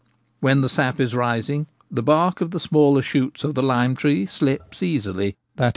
When the sap is rising, the bark of the smaller shoots of the lime tree 'slips' easily — i.e.